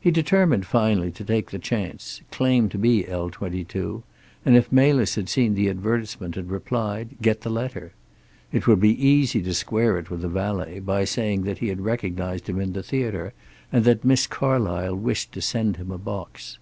He determined finally to take the chance, claim to be L 22, and if Melis had seen the advertisement and replied, get the letter. It would be easy to square it with the valet, by saying that he had recognized him in the theater and that Miss Carlysle wished to send him a box.